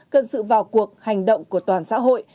cần sự vào cuộc hành động của toàn xã hội